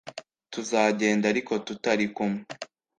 Tuzagenda ariko tutari kumwe